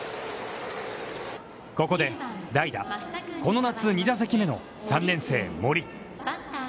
ここで代打、この夏２打席目の３年生森。